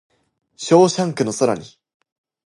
ショーシャンクの空に